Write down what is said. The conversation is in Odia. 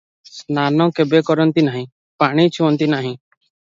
ସ୍ନାନ କେବେ କରନ୍ତି ନାହିଁ, ପାଣି ଛୁଅନ୍ତି ନାହିଁ ।